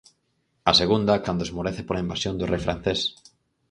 A segunda, cando esmorece pola invasión do rei francés.